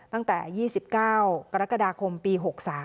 ตั้งแต่๒๙กรกฎาคมปี๖๓